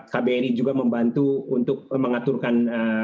kbri juga membantu untuk mengaturkan